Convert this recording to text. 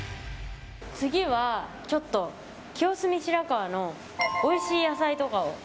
次は、ちょっと清澄白河のおいしい野菜とかを。